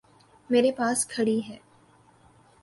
میرے پاس کھڑی ہے۔